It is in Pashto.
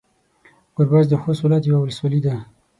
ګوربز د خوست ولايت يوه ولسوالي ده.